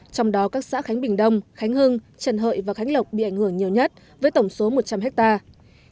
trong đó các xã khánh bình đông khánh hưng trần hợi và khánh lộc bị ảnh hưởng nhiều nhất với tổng số một trăm linh hectare